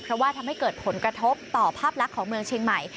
เพราะว่าทำให้เกิดผลกระทบต่อภาพลักษณ์ของเมืองเชียงใหม่